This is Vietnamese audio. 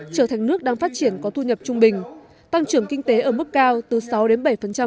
trở thành nước đang phát triển có thu nhập trung bình tăng trưởng kinh tế ở mức cao từ sáu bảy một năm